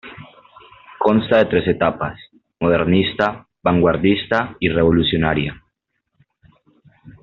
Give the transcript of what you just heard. Consta de tres etapas: modernista, vanguardista y revolucionaria.